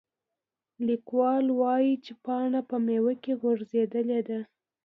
لیکوال وایي چې پاڼه په میوه کې غځېدلې ده.